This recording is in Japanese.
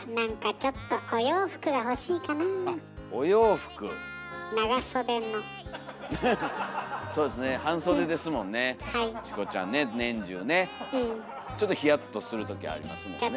ちょっとひやっとする時ありますもんね。